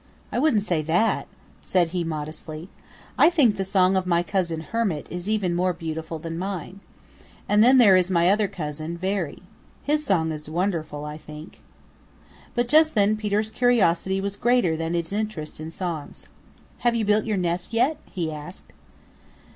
"I wouldn't say that," said he modestly. "I think the song of my cousin Hermit, is even more beautiful than mine. And then there is my other cousin, Veery. His song is wonderful, I think." But just then Peter's curiosity was greater than his interest in songs. "Have you built your nest yet?" he asked.